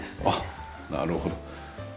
あっなるほど。